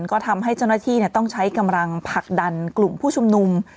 ก็ทำให้เจ้าหน้าที่ต้องใช้กำลังผลักดันกลุ่มผู้ชุมนุม